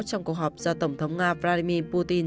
trong cuộc họp do tổng thống nga vladimir putin